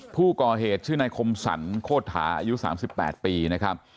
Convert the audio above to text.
ผู้ก่อเหตุชื่อนายคมสรรโคตฐาอายุ๓๘ปีนะครับ